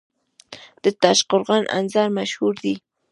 د تاشقرغان انځر مشهور دي